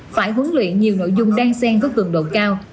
phải huấn luyện nhiều nội dung đang xen với cường độ cao